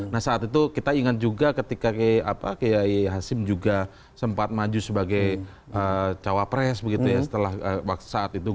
nah saat itu kita ingat juga ketika kiai hasim juga sempat maju sebagai cawapres begitu ya setelah saat itu